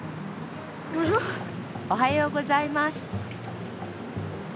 おはようございます。